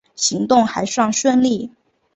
行动还算顺利